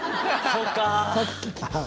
そうか！